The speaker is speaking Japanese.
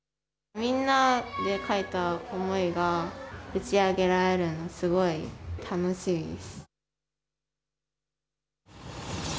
みんなで書いたこの思いが打ち上げられるの、すごい楽しみです。